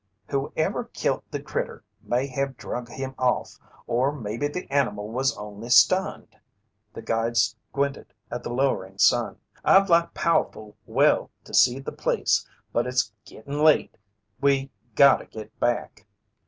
"Whoever kilt the critter may have drug him off, or maybe the animal was only stunned." The guide squinted at the lowering sun. "I'd like powe'ful well to see the place, but it's gitten late. We gotta git back."